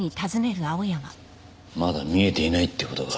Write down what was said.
まだ見えていないって事か。